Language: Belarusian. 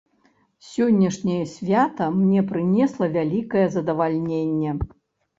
Сённяшняе свята мне прынесла вялікае задавальненне.